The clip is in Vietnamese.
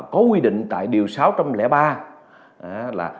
có quy định tại điều sáu trăm linh ba là